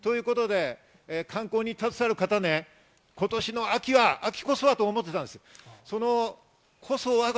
観光に携わる方、今年の秋は秋こそはと思っていたわけです。